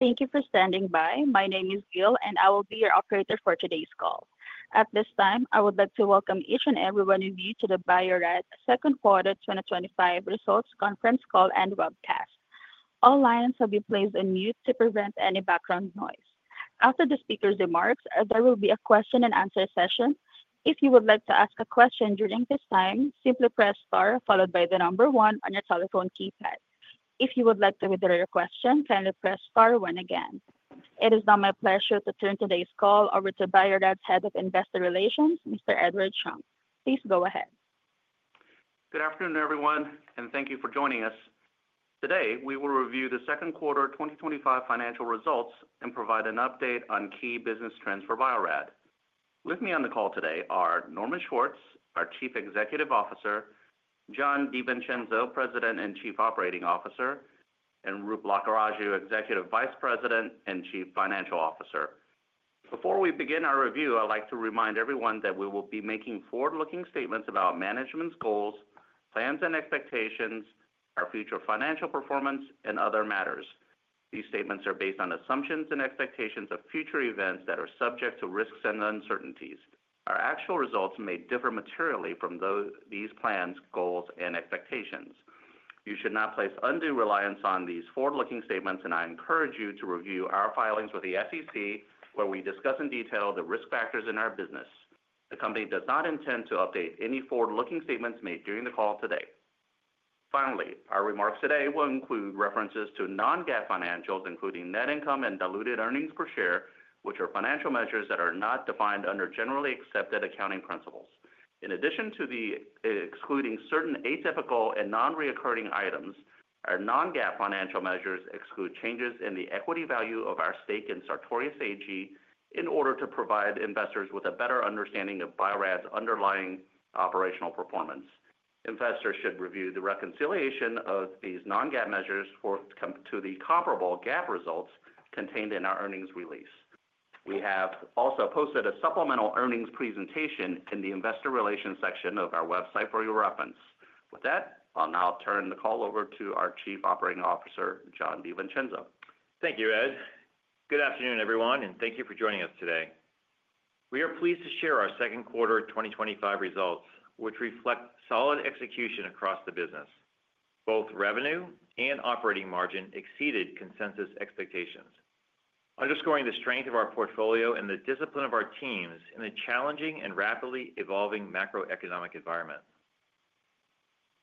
Thank you for standing by. My name is Gil and I will be your operator for today's call. At this time I would like to welcome each and every one of you to the Bio-Rad second quarter 2025 results conference call and webcast. All lines will be placed on mute to prevent any background noise. After the speakers' remarks, there will be a question and answer session. If you would like to ask a question during this time, simply press star followed by the number one on your telephone keypad. If you would like to withdraw your question, kindly press star one again. It is now my pleasure to turn today's call over to Bio-Rad Head of Investor Relations, Mr. Edward Chung. Please go ahead. Good afternoon everyone and thank you for joining us today. We will review the second quarter 2025 financial results and provide an update on key business trends for Bio-Rad. With me on the call today are Norman Schwartz, our Chief Executive Officer, John DiVincenzo, President and Chief Operating Officer, and Roop Lakkaraju, Executive Vice President and Chief Financial Officer. Before we begin our review, I'd like to remind everyone that we will be making forward-looking statements about management's goals, plans and expectations, our future financial performance and other matters. These statements are based on assumptions and expectations of future events that are subject to risks and uncertainties. Our actual results may differ materially from these plans, goals and expectations. You should not place undue reliance on these forward-looking statements and I encourage you to review our filings with the SEC where we discuss in detail the risk factors in our business. The company does not intend to update any forward-looking statements made during the call today. Finally, our remarks today will include references to non-GAAP financials including net income and diluted earnings per share, which are financial measures that are not defined under generally accepted accounting principles. In addition to excluding certain atypical and non-recurring items, our non-GAAP financial measures exclude changes in the equity value of our stake in Sartorius AG. In order to provide investors with a better understanding of Bio-Rad underlying operational performance, investors should review the reconciliation of these non-GAAP measures to the comparable GAAP results contained in our earnings release. We have also posted a supplemental earnings presentation in the Investor Relations section of our website for your reference. With that, I'll now turn the call over to our Chief Operating Officer, John DiVincenzo. Thank you, Ed. Good afternoon everyone and thank you for joining us today. We are pleased to share our second quarter 2025 results, which reflect solid execution across the business. Both revenue and operating margin exceeded consensus expectations, underscoring the strength of our portfolio and the discipline of our teams in a challenging and rapidly evolving macroeconomic environment.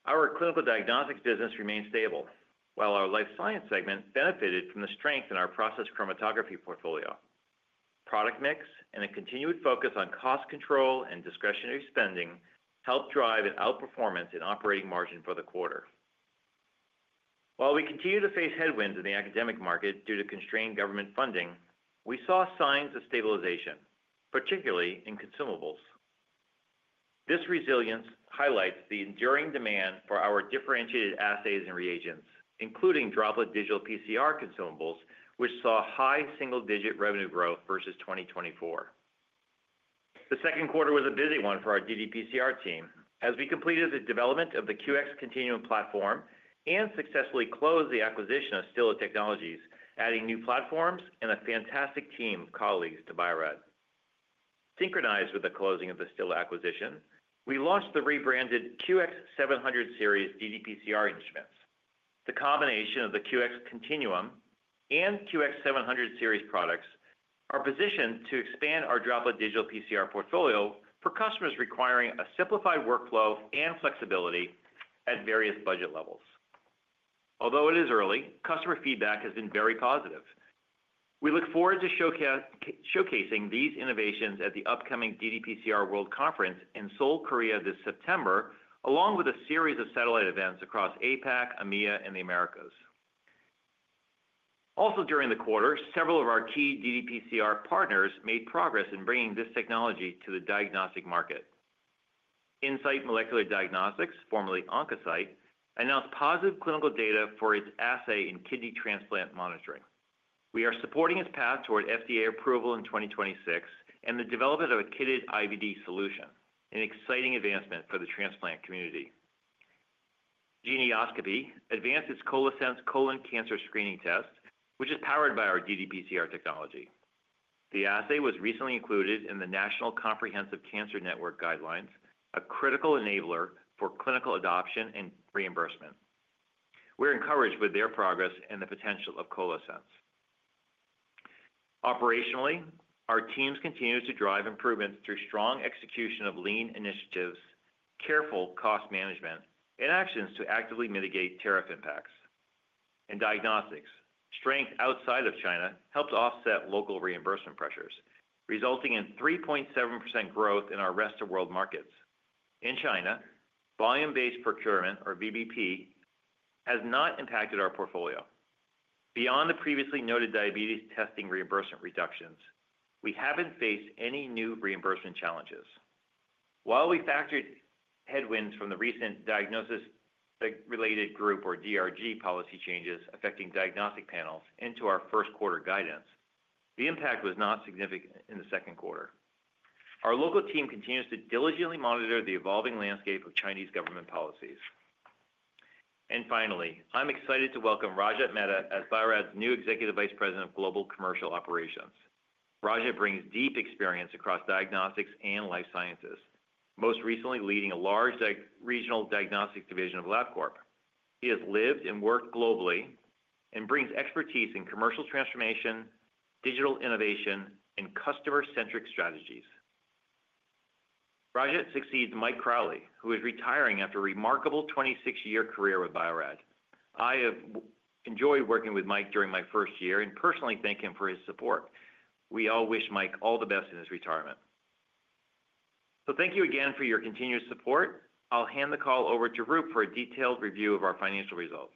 Our clinical diagnostics business remained stable while our life science segment benefited from the strength in our process chromatography portfolio. Product mix and a continued focus on cost control and discretionary spending helped drive an outperformance in operating margin for the quarter. While we continue to face headwinds in the academic market due to constrained government funding, we saw signs of stabilization, particularly in consumables. This resilience highlights the enduring demand for our differentiated assays and reagents, including droplet digital PCR consumables, which saw high single-digit revenue growth versus 2024. The second quarter was a busy one for our ddPCR team as we completed the development of the QX Continuum platform and successfully closed the acquisition of Stilla Technologies, adding new platforms and a fantastic team of colleagues to Bio-Rad. Synchronized with the closing of the Stilla acquisition, we launched the rebranded QX700 Series ddPCR instruments. The combination of the QX Continuum and QX700 Series products are positioned to expand our droplet digital PCR portfolio for customers requiring a simplified workflow and flexibility at various budget levels. Although it is early, customer feedback has been very positive. We look forward to showcasing these innovations at the upcoming ddPCR World Conference in Seoul, Korea this September, along with a series of satellite events across APAC, EMEA, and the Americas. Also during the quarter, several of our key ddPCR partners made progress in bringing this technology to the diagnostic market. Insight Molecular Diagnostics, formerly Oncocyte, announced positive clinical data for its assay in kidney transplant monitoring. We are supporting its path toward FDA approval in 2026 and the development of a kitted IVD solution, an exciting advancement for the transplant community. Genioscopy advanced its ColoSense colon cancer screening test, which is powered by our ddPCR technology. The assay was recently included in the National Comprehensive Cancer Network guidelines, a critical enabler for clinical adoption and reimbursement. We're encouraged with their progress and the potential of ColoSense. Operationally, our teams continue to drive improvements through strong execution of lean initiatives, careful cost management, and actions to actively mitigate tariff impacts in diagnostics. Strength outside of China helped offset local reimbursement pressures, resulting in 3.7% growth in our rest of world markets. In China, volume-based procurement or VBP has not impacted our portfolio beyond the previously noted diabetes testing reimbursement reductions. We haven't faced any new reimbursement challenges. While we factored headwinds from the recent Diagnosis Related Group or DRG policy changes affecting diagnostic panels into our first quarter guidance, the impact was not significant. In the second quarter, our local team continues to diligently monitor the evolving landscape of Chinese government policies. Finally, I'm excited to welcome Rajat Mehta as Bio-Rad's new Executive Vice President of Global Commercial Operations. Rajat brings deep experience across diagnostics and life sciences, most recently leading a large regional diagnostics division of Labcorp. He has lived and worked globally and brings expertise in commercial transformation, digital innovation, and customer-centric strategies. Rajat succeeds Mike Crowley, who is retiring after a remarkable 26-year career with Bio-Rad. I have enjoyed working with Mike during my first year and personally thank him for his support. We all wish Mike all the best in his retirement, so thank you again for your continued support. I'll hand the call over to Roop for a detailed review of our financial results.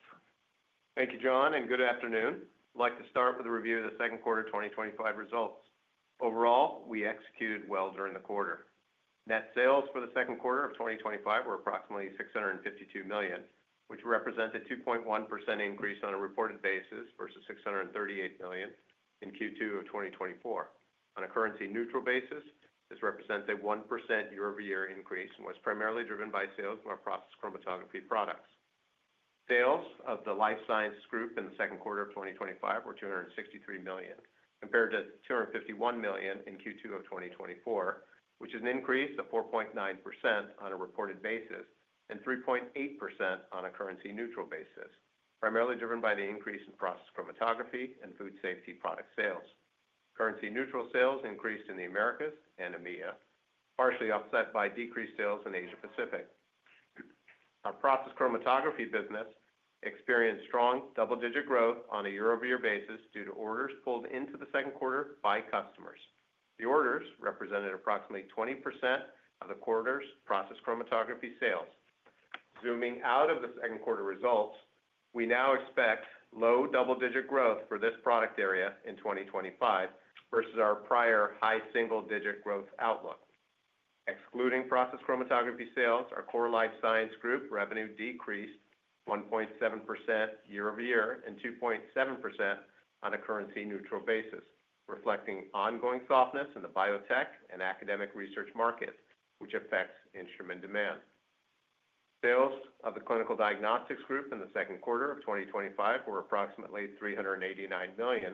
Thank you, John, and good afternoon. I'd like to start with a review of the second quarter 2025 results. Overall, we executed well during the quarter. Net sales for the second quarter of 2025 were approximately $652 million, which represented a 2.1% increase on a reported basis versus $638 million in Q2 of 2024 on a currency neutral basis. This represents a 1% year-over-year increase and was primarily driven by sales of our process chromatography products. Sales of the Life Science group in the second quarter of 2025 were $263 million compared to $251 million in Q2 of 2024, which is an increase of 4.9% on a reported basis and 3.8% on a currency neutral basis, primarily driven by the increase in process chromatography and food safety product sales. Currency neutral sales increased in the Americas and EMEA, partially offset by decreased sales in Asia Pacific. Our process chromatography business experienced strong double digit growth on a year-over-year basis due to orders pulled into the second quarter by customers. The orders represented approximately 20% of the quarter's process chromatography sales. Zooming out of the second quarter results, we now expect low double digit growth for this product area in 2025 versus our prior high single digit growth outlook. Excluding process chromatography sales, our core Life Science group revenue decreased 1.7% year-over year and 2.7% on a currency neutral basis, reflecting ongoing softness in the biotech and academic research markets, which affects instrument demand. Sales of the Clinical Diagnostics group in the second quarter of 2025 were approximately $389 million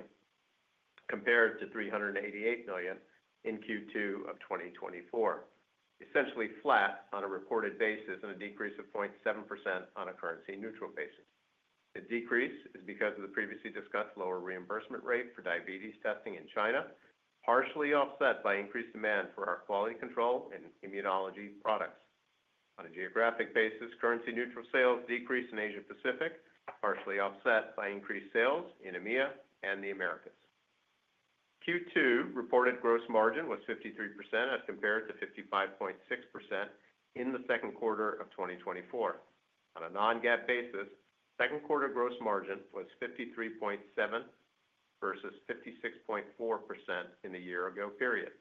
compared to $388 million in Q2 of 2024, essentially flat on a reported basis and a decrease of 0.7% on a currency neutral basis. The decrease is because of the previously discussed lower reimbursement rate for diabetes testing in China, partially offset by increased demand for our quality control and immunology products. On a geographic basis, currency neutral sales decreased in Asia Pacific, partially offset by increased sales in EMEA and the Americas. Q2 reported gross margin was 53% as compared to 55.6% in the second quarter of 2024. On a non-GAAP basis, second quarter gross margin was 53.7% versus 56.4% in the year ago period.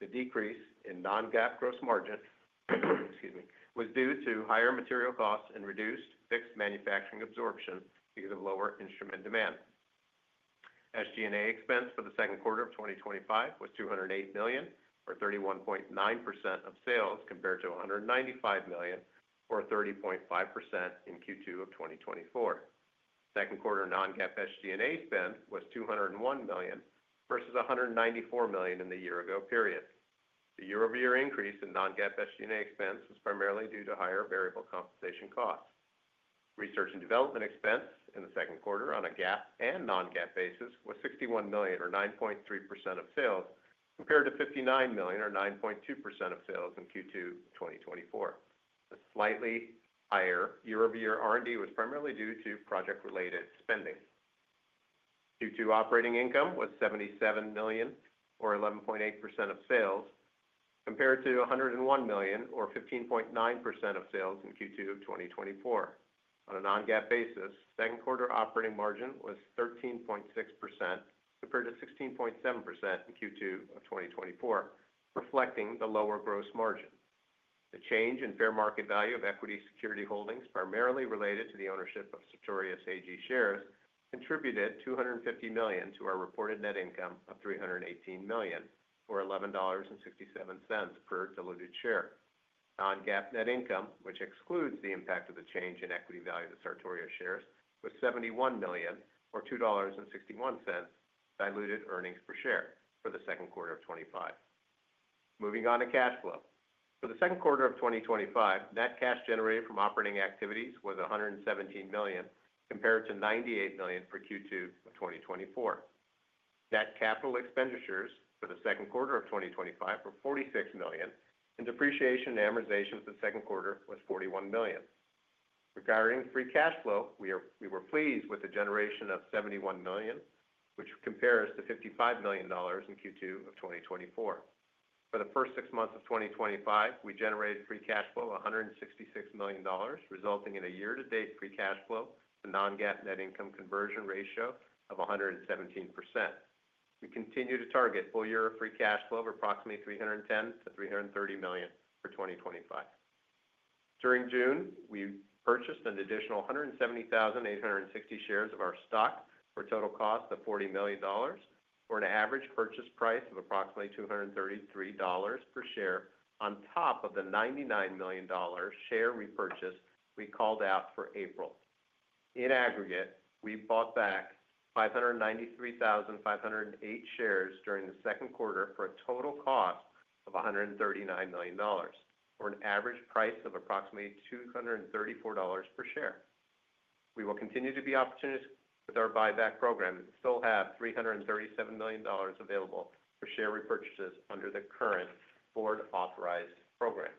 The decrease in non-GAAP gross margin was due to higher material costs and reduced fixed manufacturing absorption because of lower instrument demand. SGA expense for the second quarter of 2025 was $208 million or 31.9% of sales compared to $195 million or 30.5% in Q2 of 2024. Second quarter non-GAAP SGA spend was $201 million versus $194 million in the year ago period. The year-over-year increase in non-GAAP SGA expense was primarily due to higher variable compensation costs. Research and development expense in the second quarter on a GAAP and non-GAAP basis was $61 million or 9.3% of sales compared to $59 million or 9.2% of sales in Q2 2024. A slightly higher year-over-year R&D was primarily due to project-related spending. Q2 operating income was $77 million or 11.8% of sales compared to $101 million or 15.9% of sales in Q2 of 2024 on a non-GAAP basis. Second quarter operating margin was 13.6% compared to 16.7% in Q2 of 2024, reflecting the lower gross margin. The change in fair market value of equity security holdings, primarily related to the ownership of Sartorius AG shares, contributed $250 million to our reported net income of $318 million or $11.67 per diluted share. Non-GAAP net income, which excludes the impact of the change in equity value to Sartorius shares, was $71 million or $2.61 diluted earnings per share for Q2 2025. Moving on to cash flow for the second quarter of 2025, net cash generated from operating activities was $117 million compared to $98 million for Q2 of 2024. Net capital expenditures for the second quarter of 2025 were $46 million and depreciation and amortization for the second quarter was $41 million. Regarding free cash flow, we were pleased with the generation of $71 million which compares to $55 million in Q2 of 2024. For the first six months of 2025, we generated free cash flow of $166 million resulting in a year-to-date free cash flow to non-GAAP net income conversion ratio of 117%. We continue to target full year free cash flow of approximately $310 million-$330 million for 2025. During June, we purchased an additional 170,860 shares of our stock for a total cost of $40 million for an average purchase price of approximately $233 per share on top of the $99 million share repurchase we called out for April. In aggregate, we bought back 593,508 shares during the second quarter for a total cost of $139 million for an average price of approximately $234 per share. We will continue to be opportunistic with our buyback program and still have $337 million available for share repurchases under the current board authorized program.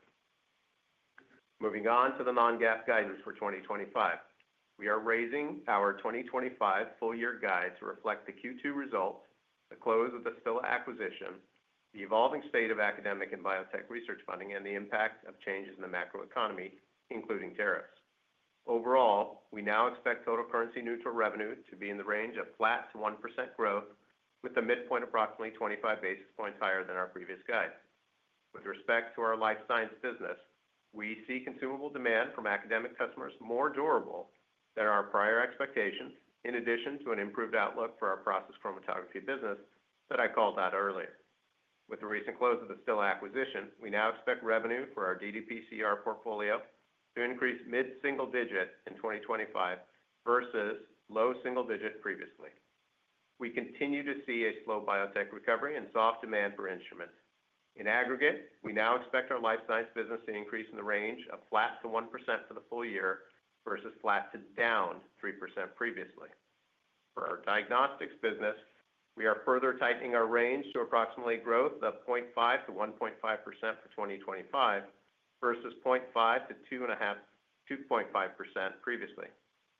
Moving on to the non-GAAP guidance for 2025, we are raising our 2025 full year guide to reflect the Q2 results, the close of the Stilla acquisition, the evolving state of academic and biotech research funding, and the impact of changes in the macroeconomy including tariffs. Overall, we now expect total currency-neutral revenue to be in the range of flat to 1% growth, with the midpoint approximately 25 basis points higher than our previous guide. With respect to our life science business, we see consumable demand from academic customers more durable than our prior expectations, in addition to an improved outlook for our process chromatography business that I called out earlier. With the recent close of the Stilla acquisition, we now expect revenue for our ddPCR portfolio to increase mid-single digit in 2025 versus low single digit previously. We continue to see a slow biotech recovery and soft demand for instruments in aggregate. We now expect our life science business to increase in the range of flat to 1% for the full year versus flat to down 3% previously. For our diagnostics business, we are further tightening our range to approximately growth of 0.5%-1.5% between 2025 versus 0.5%-2.5% previously.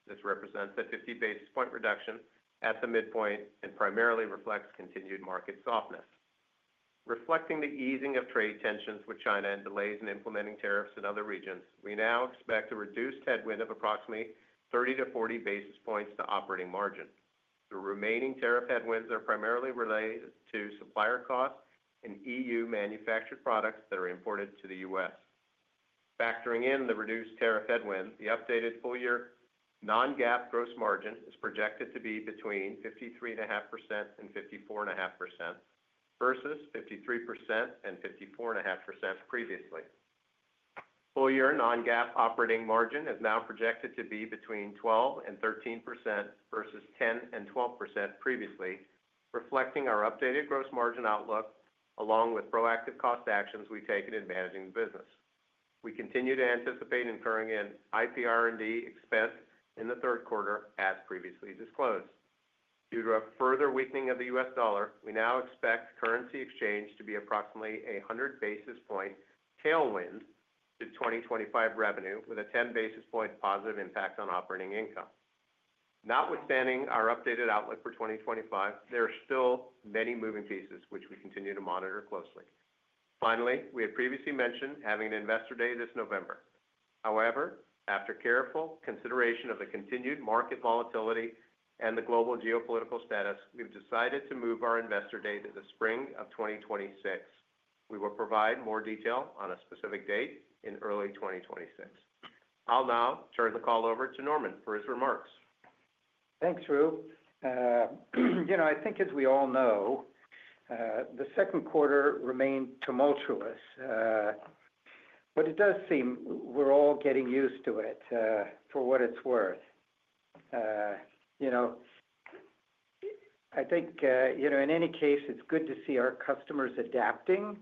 This represents a 50 basis point reduction at the midpoint and primarily reflects continued market softness. Reflecting the easing of trade tensions with China and delays in implementing tariffs in other regions, we now expect a reduced headwind of approximately 30-40 basis points to operating margin. The remaining tariff headwinds are primarily related to supplier cost and EU-manufactured products that are imported to the U.S. Factoring in the reduced tariff headwind, the updated full year non-GAAP gross margin is projected to be between 53.5% and 54.5% versus 53% and 54.5% previously. Full year non-GAAP operating margin is now projected to be between 12% and 13% versus 10% and 12% previously, reflecting our updated gross margin outlook along with proactive cost actions we take in advantaging the business. We continue to anticipate incurring an IPR&D expense in the third quarter. As previously disclosed, due to a further weakening of the U.S. dollar, we now expect currency exchange to be approximately 100 basis point tailwind to 2025 revenue with a 10 basis point positive impact on operating income. Notwithstanding our updated outlook for 2025, there are still many moving pieces which we continue to monitor closely. Finally, we had previously mentioned having an investor day this November. However, after careful consideration of the continued market volatility and the global geopolitical status, we've decided to move our investor day to the spring of 2026. We will provide more detail on a specific date in early 2026. I'll now turn the call over to Norman for his remarks. Thanks, Roop. I think as we all know, the second quarter remained tumultuous, but it does seem we're all getting used to it. For what it's worth, I think in any case, it's good to see our customers adapting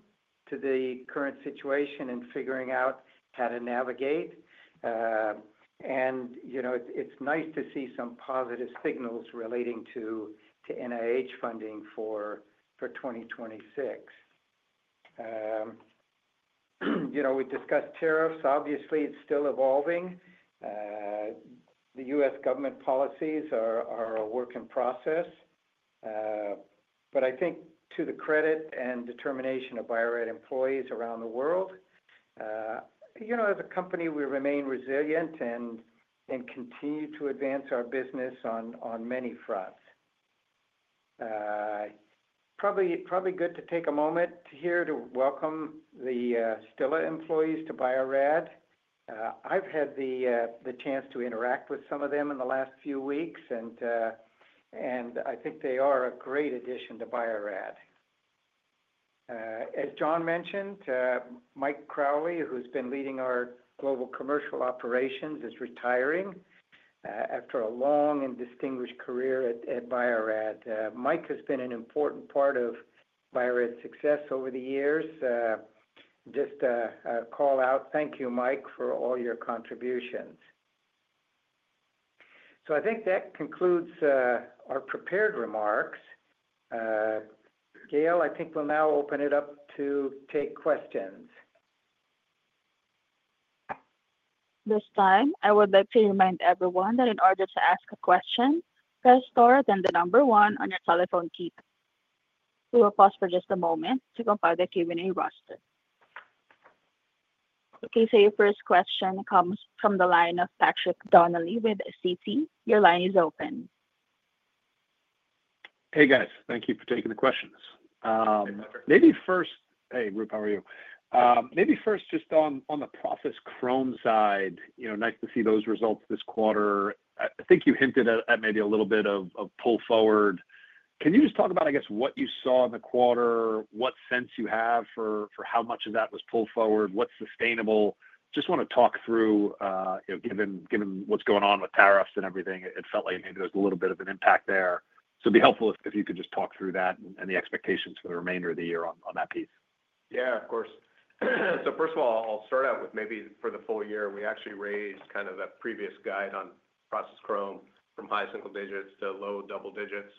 to the current situation and figuring out how to navigate. It's nice to see some positive signals relating to NIH funding for 2026. We discussed tariffs. Obviously, it's still evolving. The U.S. Government policies are a work in process, but I think to the credit and determination of Bio-Rad employees around the world, as a company we remain resilient and continue to advance our business on many fronts. Probably good to take a moment here to welcome the Stilla employees to Bio-Rad. I've had the chance to interact with some of them in the last few weeks and I think they are a great addition to Bio-Rad. As John mentioned, Mike Crowley, who's been leading our Global Commercial Operations, is retiring after a long and distinguished career at Bio-Rad. Mike has been an important part of Bio-Rad success over the years. Just a call out. Thank you, Mike, for all your contributions. I think that concludes our prepared remarks. Gail, I think we'll now open it up to take questions. This time, I would like to remind everyone that in order to ask a question, press star, then the number one on your telephone keypad. We will pause for just a moment to compile the Q&A roster. Your first question comes from the line of Patrick Donnelly with Citi. Your line is open. Hey guys, thank you for taking the questions. Maybe first. Hey, Roop, how are you? Maybe first. On the process chromatography side, nice to see those results this quarter. I think you hinted at maybe a Little bit of pull forward can you just talk about, I guess. What you saw in the quarter, what sense you have for how much of that was pulled forward what's sustainable. Just want to talk through, given what's going on with tariffs. Everything, it felt like maybe there's a It'd be helpful if you could just talk through that and the expectations for the remainder of the year on that piece. Yeah, of course. First of all, I'll start out with maybe for the full year. We actually raised kind of that previous guide on process chromatography from high single digits to low double digits.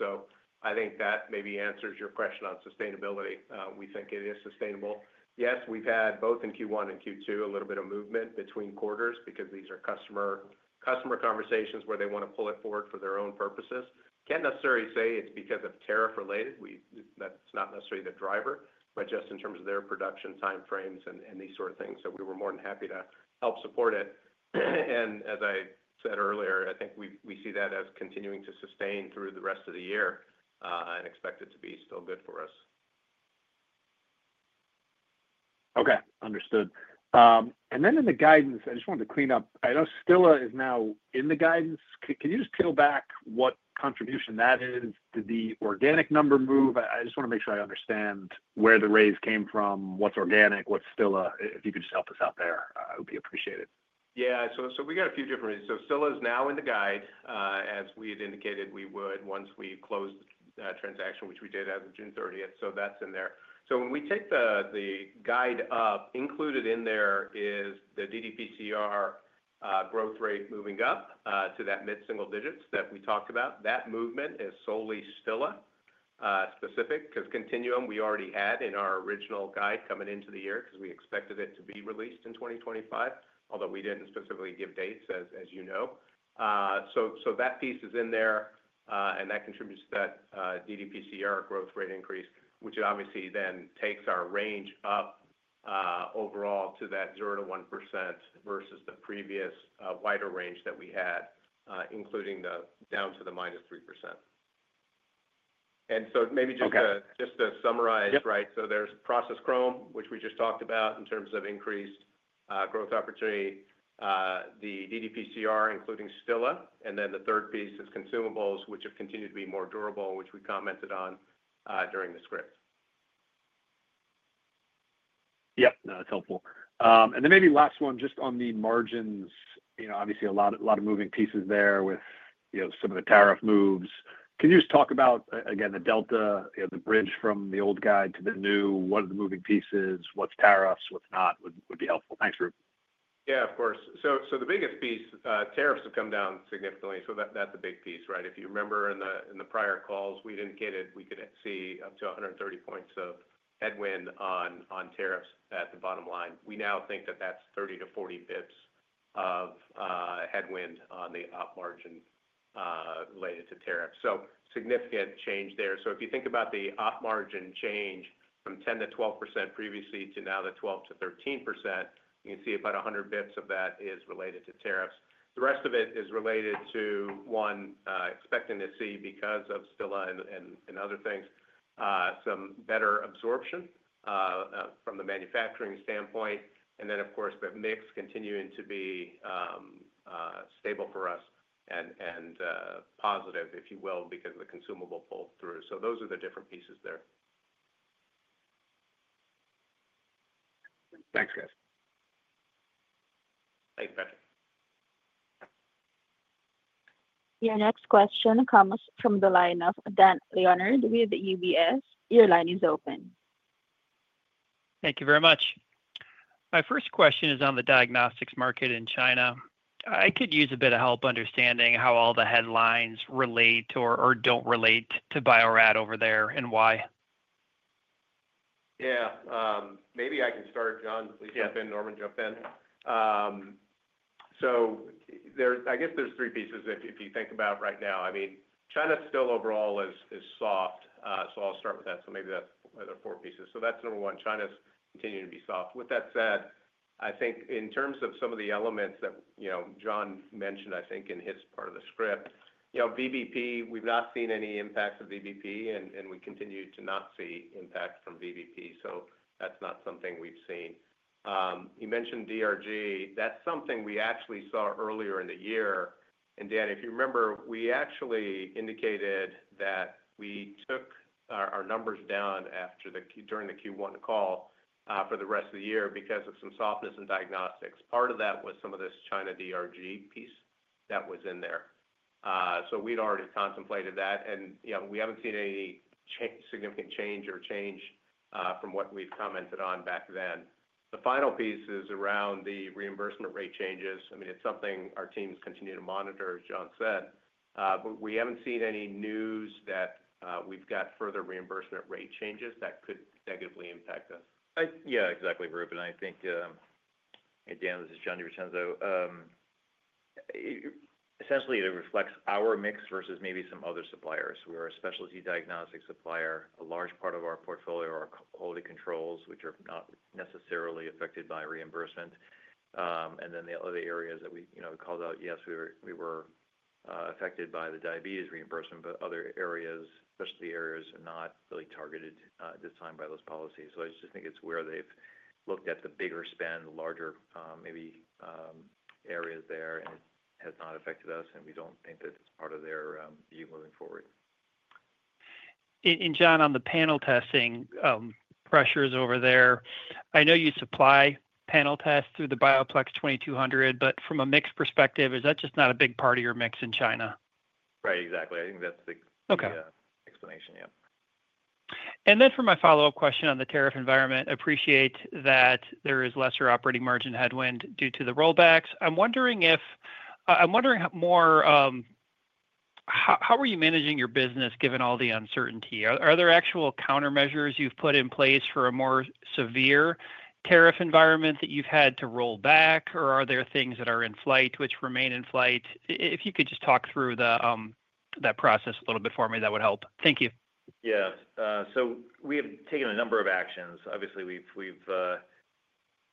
I think that maybe answers your question on sustainability. We think it is sustainable, yes. We've had both in Q1 and Q2, a little bit of movement between quarters because these are customer conversations where they want to pull it forward for their own purposes. Can't necessarily say it's because of tariff related. That's not necessarily the driver, just in terms of their production timeframes and these sort of things. We were more than happy to help support it. As I said earlier, I think we see that as continuing to sustain through the rest of the year and expect it to be still good for us. Okay, understood. In the guidance, I just wanted to clean up. I know Stilla is now in the guidance. Can you just peel back what contribution that is did the organic number move I just want to make sure understand where the raise came from what's organic, what's still If you could just help us out there, it would be appreciated. Yeah. We got a few different reasons. Stilla is now in the guide, as we had indicated we would once we closed the transaction, which we did as of June 30th. That's in there. When we take the guide up, included in there is the ddPCR growth rate moving up to that mid single digits that we talked about. That movement is solely Stilla specific because Continuum platform we already had in our original guide coming into the year because we expected it to be released in 2025, although we didn't specifically give dates as you know. That piece is in there and that contributes to that ddPCR growth rate increase, which obviously then takes our range up overall to that 0 to 1% versus the previous wider range that we had, including the down to the -3%. Maybe just to summarize, right, there's process chromatography, which we just talked about in terms of increased growth opportunity, the ddPCR including Stilla, and then the third piece is consumables, which have continued to be more durable, which we commented on during the script. Yep, that's helpful. Maybe last one just on the margins, obviously a lot of moving pieces there with some of the tariff moves. Can you just talk about again the delta, the bridge from the Old guide to the new what are the moving pieces, what's tariff headwinds what's not would be helpful. Thanks, Roop. Yeah, of course. The biggest piece, tariffs have come down significantly. That's a big piece. Right. If you remember, in the prior calls we'd indicated we could see up to 130 basis points of headwind on tariffs at the bottom line. We now think that that's 30-40 basis points of headwind on the OP margin related to tariffs. Significant change there. If you think about the OP margin change from 10%-12% previously to now, the 12%-13%, you can see about 100 basis points of that is related to tariffs. The rest of it is related to one expecting to see because of Stilla and other things, some better absorption from the manufacturing standpoint. Of course, the mix continuing to be stable for us and positive, if you will, because of the consumable pull through. Those are the different pieces there. Thanks guys. Thanks, Patrick. Your next question comes from the line of Dan Leonard with UBS. Your line is open. Thank you very much. My first question is on the diagnostics market in China. I could use a bit of help understanding how all the headlines relate or don't relate to Bio-Rad Laboratories over there and why. Yeah, maybe I can start. John, please jump in. Norman, jump in. There's, I guess there's three pieces if you think about right now. China still overall is soft. I'll start with that. Maybe that's four pieces. That's number one. China's continuing to be soft. With that said, I think in terms of some of the elements that, you know, John mentioned, I think in his part of the script, you know, VBP, we've not seen any impacts of VBP and we continue to not see impact from VBP. That's not something we've seen. You mentioned DRG, that's something we actually saw earlier in the year. Dan, if you remember, we actually indicated that we took our numbers down after the, during the Q1 call for the rest of the year because of some softness in diagnostics. Part of that was some of this China DRG piece that was in there. We'd already contemplated that and we haven't seen any significant change or change from what we've commented on back then. The final piece is around the reimbursement rate changes. It's something our teams continue to monitor, as John said, but we haven't seen any news that we've got further reimbursement rate changes that could negatively impact us. Yeah, exactly. Roop, I think. Hey, Dan, this is John DiVincenzo. Essentially, it reflects our mix versus maybe some other suppliers. We are a specialty diagnostic supplier. A large part of our portfolio are quality controls, which are not necessarily affected by reimbursement. The other areas that we called out, yes, we were affected by the diabetes reimbursement, but other areas, specialty areas, are not really targeted this time by those policies. I just think it's where they've looked at the bigger spend, larger maybe areas there, and it has not affected us. We don't think that it's part of their view moving forward. John, on the panel testing pressures over there, I know you supply panel tests through the BioPlex 2200. But from a mix perspective, is that just not a big part of your mix in China? Right, exactly. I think that's the okay explanation. For my follow-up question on the tariff environment, appreciate that there is lesser operating margin headwind due to the rollbacks. I'm wondering more, how are you managing your business given all the uncertainty? Are there actual countermeasures you've put in place for a more severe tariff environment that you've had to roll back, or are there things that are in flight which remain in flight? If you could just talk through that process a little bit for me, that would help. Thank you. Yeah. We have taken a number of actions. Obviously we've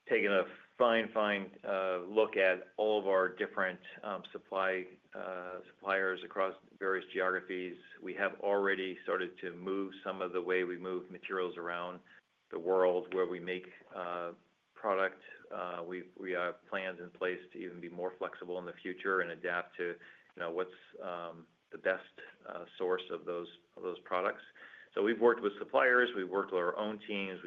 taken a fine, fine look at all of our different suppliers across various geographies. We have already started to move some of the way we move materials around the world where we make product. We have plans in place to even be more flexible in the future and adapt to what's the best source of those products. We've worked with suppliers, we've worked with our own teams,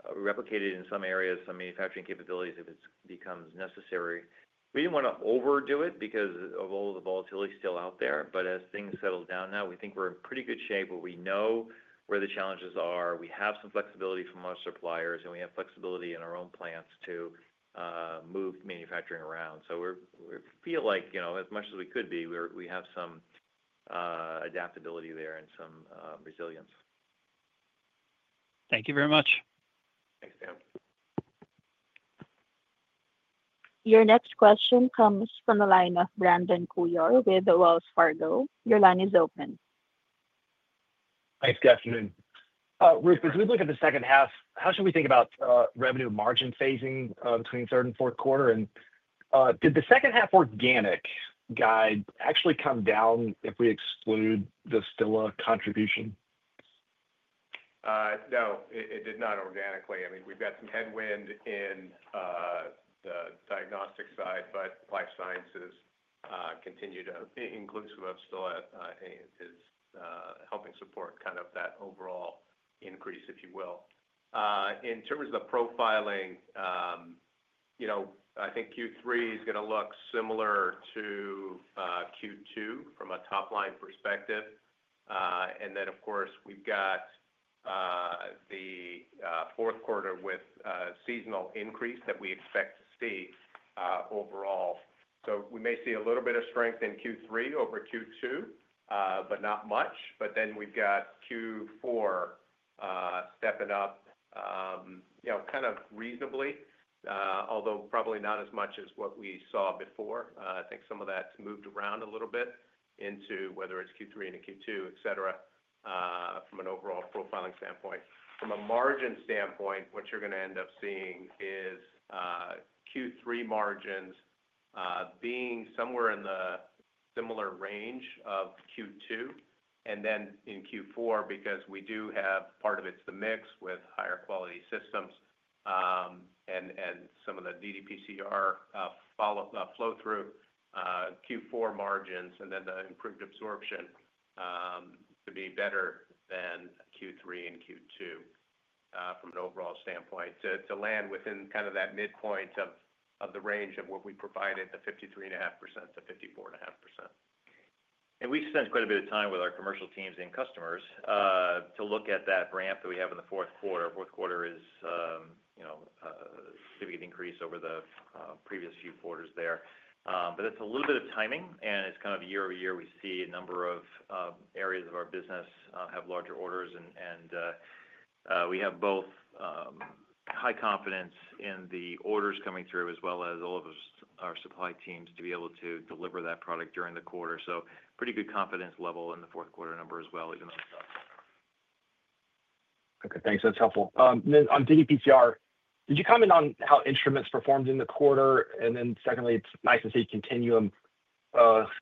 we built, replicated in some areas, some manufacturing capabilities if it becomes necessary. We didn't want to overdo it because of all the volatility still out there. As things settle down now, we think we're in pretty good shape where we know where the challenges are. We have some flexibility from our suppliers and we have flexibility in our own plants to move manufacturing around. We feel like as much as we could be, we have some adaptability there and some resilience. Thank you very much. Thanks, Dan. Your next question comes from the line of Brandon Couillard with Wells Fargo. Your line is open. Hi, it's Roop. As we look at the second half, how should we think about revenue margin phasing between third and fourth quarter? Did the second half organic guide actually come down if we exclude the Stilla contribution? No, it did not organically. I mean, we've got some headwind in the diagnostic side, but life sciences continue to be inclusive of Stilla is helping support kind of that overall increase, if you will, in terms of the profiling. I think Q3 is going to look similar to Q2 from a top line perspective. Of course, we've got the fourth quarter with seasonal increase that we expect to see overall. We may see a little bit of strength in Q3 over Q2, but not much. We've got Q4 stepping up, kind of reasonably, although probably not as much as what we saw before. I think some of that's moved around a little bit into whether it's Q3 and Q2, etc., from an overall profiling standpoint. From a margin standpoint, what you're going to end up seeing is Q3 margins being somewhere in the similar range of Q2, and then in Q4 because we do have part of it's the mix with higher quality systems and some of the ddPCR follow flow through Q4 margins and then the improved absorption to be better than Q3 and Q2 from an overall standpoint to land within kind of that midpoint of the range of what we provided, the 53.5%-54.5%. We spend quite a bit of time with our commercial teams and customers to look at that ramp that we have in the fourth quarter is a significant increase over the previous few quarters, but it's a little bit of timing and it's kind of year-over-year. We see a number of areas of our business have larger orders, and we have both high confidence in the orders coming through as well as all of our supply teams to be able to deliver that product during the quarter. Pretty good confidence level in the fourth quarter number as well. Okay, thanks. That's helpful. On ddPCR, did you comment on how instruments performed in the quarter? Secondly, it's nice to see Continuum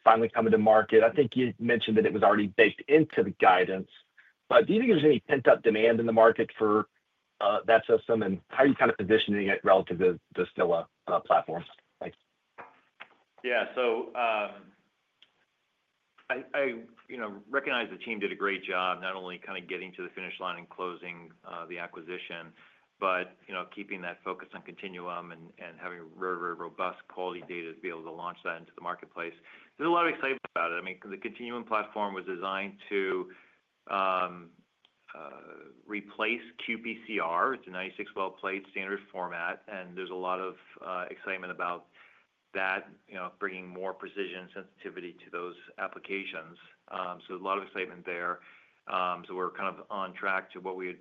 finally coming to market. I think you mentioned that it was already baked into the guidance, but do you think there's any pent up demand in the market for that system, and how are you kind of positioning it relative to the Stilla platforms? Thanks. Yeah. So I recognize the team did a great job not only getting to the finish line and closing the acquisition, but keeping that focus on Continuum and having very robust quality data to be able to launch that into the marketplace. There's a lot of excitement about it I mean, the Continuum platform was designed to replace qPCR. It's a 96-well plate standard format, and there's a lot of excitement about that, bringing more precision and sensitivity to those applications. A lot of excitement there. We're kind of on track to what we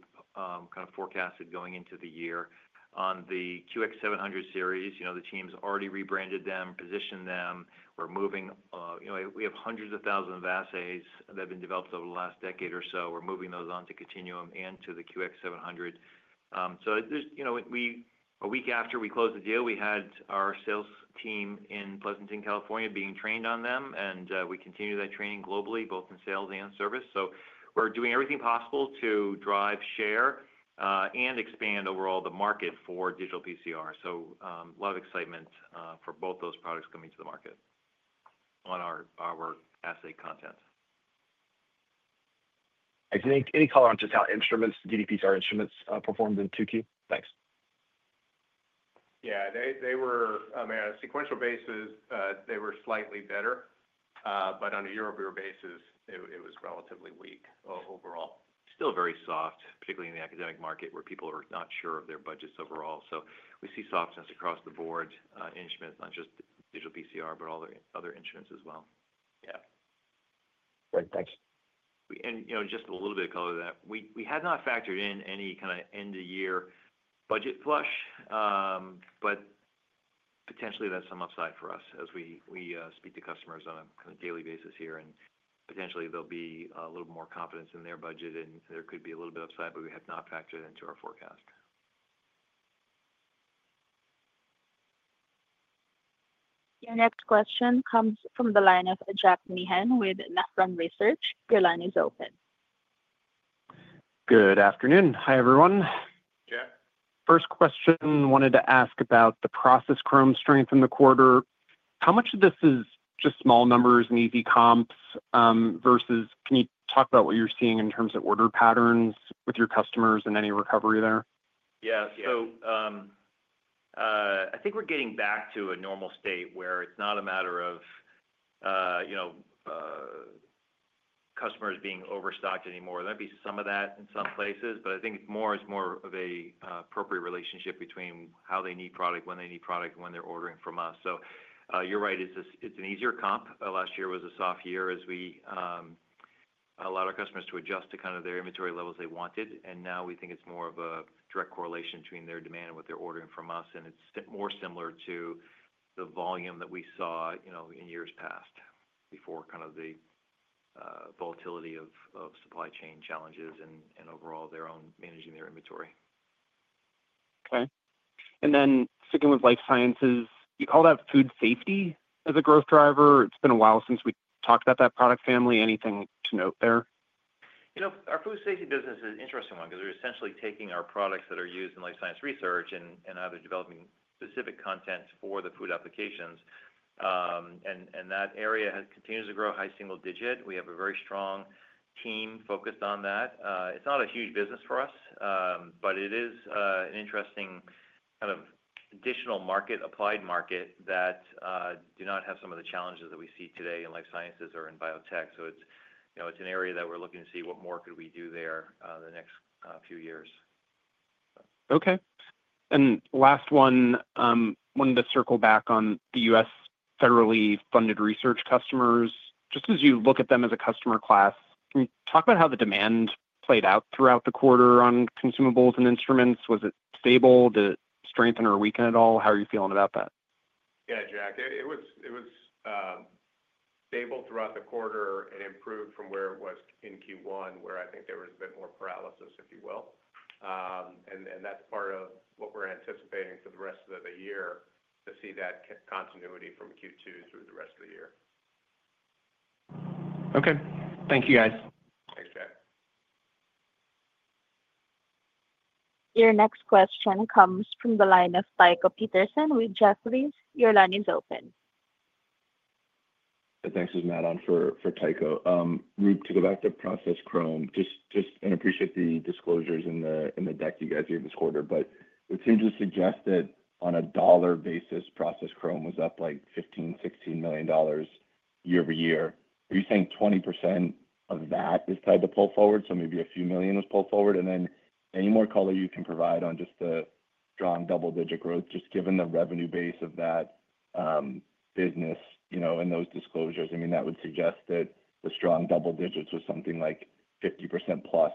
had forecasted going into the year on the QX700 Series. The team's already rebranded them and positioned them. We're moving; we have hundreds of thousands of assays that have been developed over the last decade or so. We're moving those onto Continuum and to the QX700. A week after we closed the deal, we had our sales team in Pleasanton, California, being trained on them, and we continue that training globally, both in sales and service. We're doing everything possible to drive share and expand overall the market for digital PCR. A lot of excitement for both those products coming to the market on our assay content. Any color on just how instruments, ddPCR instruments, performed in 2Q? Thanks. Yeah, they were on a sequential basis, they were slightly better, but on a year over year basis, it was relatively weak overall. Still very soft, particularly in the academic market where people are not sure of their budgets overall. We see softness across the board, instruments, not just digital PCR, but all the other instruments as well. Great, thanks. We had not factored in any kind of end of year budget flush. Potentially that's some upside for us as we speak to customers on a daily basis here. Potentially there'll be a little more confidence in their budget and there could be a little bit upside, but we have not factored into our forecast. Your next question comes from the line of Jack Meehan with Nephron Research. Your line is open. Good afternoon. Hi everyone first question, wanted to ask about the process chromatography strength in the quarter. How much of this is just small numbers and easy comps versus can you talk about what you're seeing in terms of order patterns with your customers and any recovery there? Yeah. I think we're getting back to a normal state where it's not a matter of, you know, customers being overstocked anymore. There might be some of that in some places, but I think it's more, it's more of an appropriate relationship between how they need product, when they need product, when they're ordering from us. You're right, it's an easier comp. Last year was a soft year as we allowed our customers to adjust to kind of their inventory levels they wanted. Now we think it's more of a direct correlation between their demand and what they're ordering from us. It's more similar to the volume that we saw in years past before the volatility of supply chain challenges and overall their own managing their inventory. Okay. Sticking with life sciences, you call out food safety as a growth driver. It's been a while since we talked about that product family, anything to note there? You know, our food safety business is an interesting one because we're essentially taking our products that are used in life science research and either developing specific content for the food applications, and that area continues to grow high single digit. We have a very strong team focused on that. It's not a huge business for us, but it is an interesting kind of additional market, applied market that does not have some of the challenges that we see today in life sciences or in biotech. It's an area that we're looking to see what more could we do there the next few years? Okay. I wanted to circle back on the U.S. federally funded research customers. Just as you look at them as a customer class, can you talk about how the demand Played out throughout the quarter on consumables and instruments? Was it stable, did it strengthen, or weaken at all? How are you feeling about that? Yeah, Jack, it was stable throughout the quarter and improved from where it was in Q1, where I think there was a bit more paralysis, if you will. That is part of what we're anticipating for the rest of the year to see that continuity from Q2 through the rest of the year. Okay, thank you guys. Thanks, Jack. Your next question comes from the line of Tycho Peterson with Jefferies. Your line is open. Thanks. This is Matt on for Tycho. Roop to go back to process chromatography and appreciate the disclosures in the deck you guys gave this quarter. It seems to suggest that on a dollar basis process chromatography was up like $15 million, $16 million year-over- year. Are you saying 20% of that is Tied to pull forward maybe a few million was pulled forward, and any more color you can provide on just the strong double-digit growth, just given the revenue base of that business, in those disclosures, that would suggest that the strong double digits was something like 50%+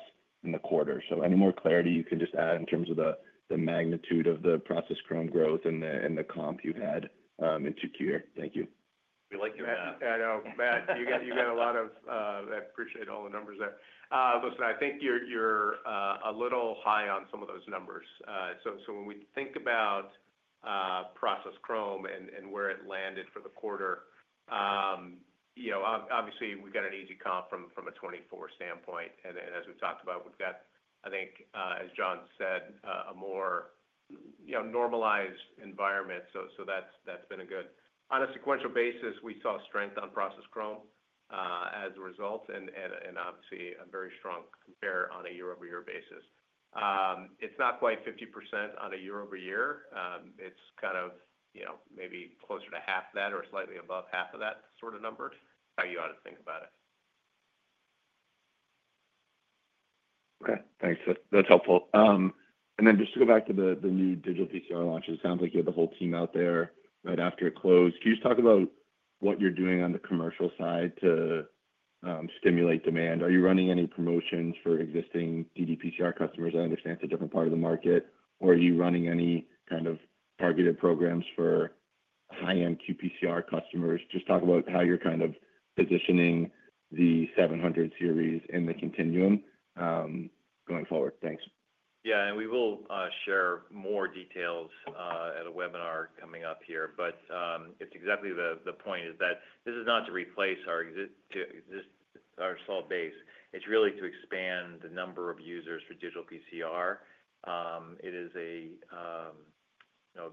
in the quarter. Any more clarity you can add in terms of the magnitude of the process chromatography growth and the comp you had in Q2? Thank you. We like you. I know, Matt, you got a lot of. I appreciate all the numbers there. Listen, I think you're a little high on some of those numbers. When we think about process chromatography and where it landed for the quarter, obviously we've got an easy comp from a 2024 standpoint. As we talked about, we've got, I think as John said, a more normalized environment. That's been good. On a sequential basis, we saw strength on process chromatography as a result and obviously very strong. On a year-over-year basis, it's not quite 50% on a year-over-year, it's kind of maybe closer to half that or slightly above half of that sort of number. How you ought to think about it. Okay, thanks, that's helpful. Just to go back to the new digital PCR launches, it sounds like you had the whole team out there right after it closed. Can you just talk about what you're doing on the commercial side to stimulate demand? Are you running any promotions for existing ddPCR customers? I understand it's a different part of the market. Are you running any kind of targeted programs for high end qPCR customers? Just talk about how you're kind of positioning the 700 Series in the Continuum going forward. Thanks. Yeah. We will share more details at a webinar coming up here. It's exactly the point that this is not to replace our sole base. It's really to expand the number of users for digital PCR. It is a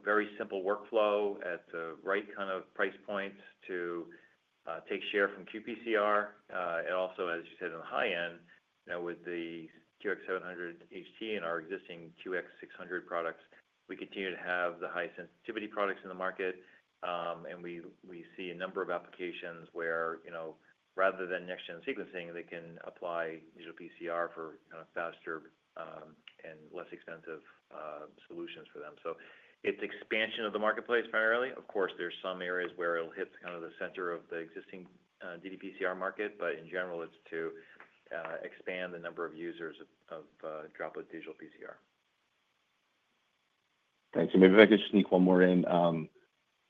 very simple workflow at the right kind of price points to take share from qPCR. Also, as you said on the high end, with the QX700 instruments and our existing QX600 products, we continue to have the Hisense products in the market. We see a number of applications where, rather than next gen sequencing, they can apply digital PCR for faster and less expensive solutions for them. It's expansion of the marketplace primarily. Of course, there's some areas where it'll hit kind of the center of the existing ddPCR market, but in general it's to expand the number of users of Droplet Digital PCR. Thanks. Maybe if I could sneak one more in, on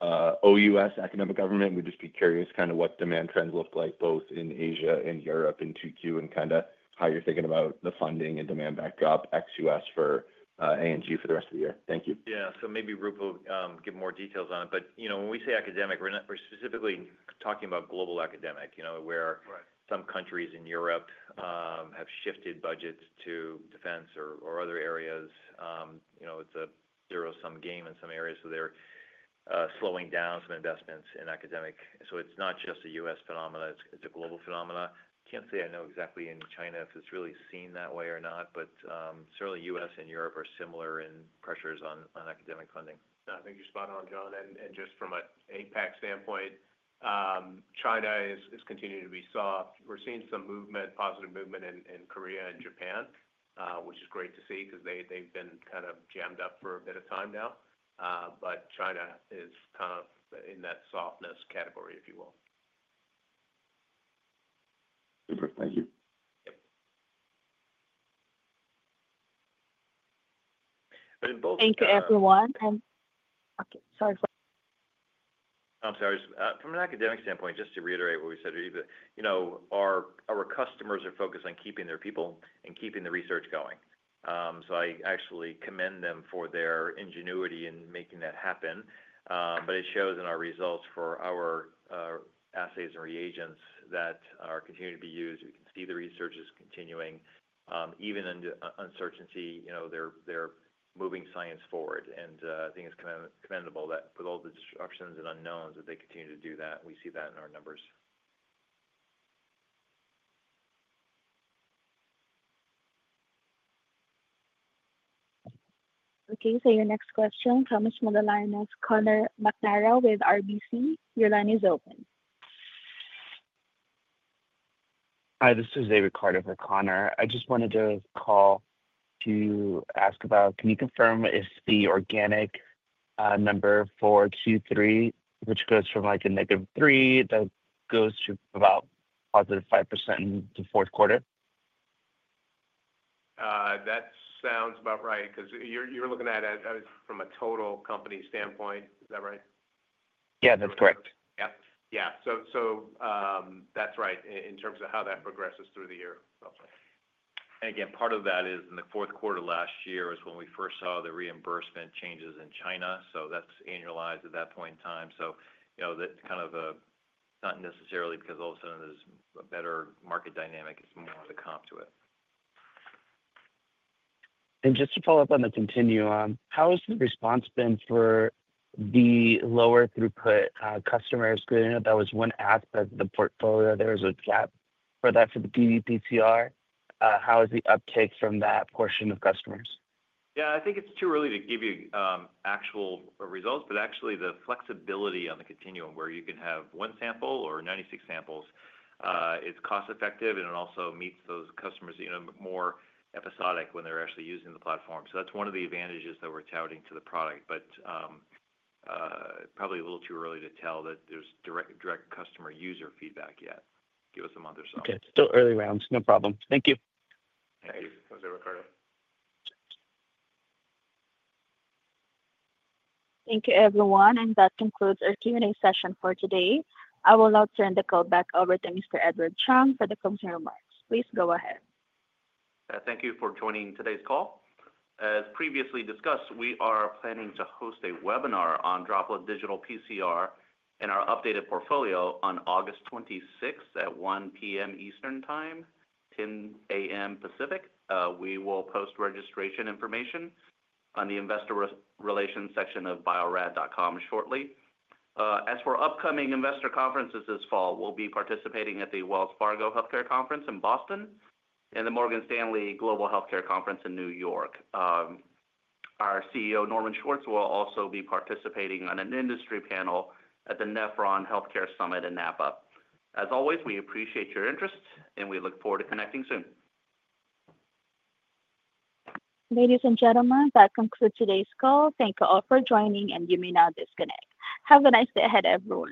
U.S. academic government, would just be curious kind of what demand trends look like both in Asia and Europe in Q2, and kind of how you're thinking about the funding and demand backup ex-U.S. for the rest of the year. Thank you. Yeah, maybe Roop will give more details on it. When we say academic, we're specifically talking about global academic. Some countries in Europe have shifted budgets to defense or other areas. It's a zero sum game in some areas, so they're slowing down some investments in academic. It's not just a U.S. phenomena, it's a global phenomena. Can't say I know exactly in China if it's really seen that way or not, but certainly U.S. and Europe are similar in pressures on academic funding. I think you're spot on, John. Just from an APAC standpoint, China is continuing to be soft. We're seeing some movement, positive movement in Korea and Japan, which is great to see because they've been kind of jammed up for a bit of time now. China is kind of in that softness category, if you will. Super. Thank you. Thank you, everyone. From an academic standpoint, just to reiterate what we said, our customers are focused on keeping their people and keeping the research going. I actually commend them for their ingenuity in making that happen. It shows in our results for our assays and reagents that are continuing to be used. We can see the research is continuing even in uncertainty. They're moving science forward. I think it's commendable that with all the disruptions and unknowns they continue to do that. We see that in our numbers. Okay, your next question comes from the line of Conor McNamara with RBC. Your line is open. Hi, this is Ricardo for Connor. I just wanted to ask about, can you confirm if the organic number for Q3, which goes from like a -3%, that goes to about +5% in the fourth quarter? That sounds about right because you're looking at it from a total company standpoint, is that right? Yeah, that's correct. Yeah. That's right. In terms of how that progresses through the year. Part of that is in the fourth quarter. Last year is when we first saw the reimbursement changes in China. That's annualized at that point in time. It's not necessarily because all of a sudden there's a better market dynamic. It's more of the comp to it. Just to follow up on the Continuum, how has the response been for the lower throughput customers? Good. That was one aspect of the portfolio. There was a gap for that, for the ddPCR. How is the uptake from that portion of customers? I think it's too early to give you actual results, but actually the flexibility on the Continuum platform, where you can have one sample or 96 samples, it's cost effective and it also meets those customers more episodic when they're actually using the platform. That's one of the advantages that we're touting to the product, but probably a little too early to tell that there's direct customer user feedback yet. Give us a month or so. Okay. Still early rounds. No problem. Thank you. Thank you, Ricardo. Thank you, everyone. That concludes our Q and A session for today. I will now turn the call back over to Mr. Edward Chung for the closing remarks. Please go ahead. Thank you for joining today's call. As previously discussed, we are planning to host a webinar on Droplet Digital PCR and our updated portfolio on August 26 at 1:00 P.M. Eastern Time, 10:00 A.M. Pacific. We will post registration information on the Investor Relations section of bio-rad.com shortly. As for upcoming investor conferences this fall, we'll be participating at the Wells Fargo Healthcare Conference in Boston and the Morgan Stanley Global Healthcare Conference in New York. Our CEO Norman Schwartz will also be participating on an industry panel at the Nephron Healthcare Summit in Napa. As always, we appreciate your interest, and we look forward to connecting soon. Ladies and gentlemen, that concludes today's call. Thank you all for joining, and you may now disconnect. Have a nice day ahead, everyone.